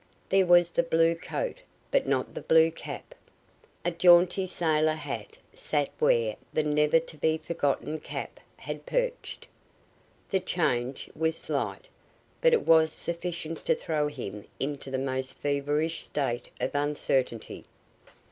There was the blue coat but not the blue cap. A jaunty sailor hat sat where the never to be forgotten cap had perched. The change was slight, but it was sufficient to throw him into the most feverish state of uncertainty.